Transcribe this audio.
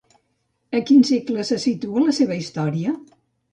A quin segle se situa la seva història?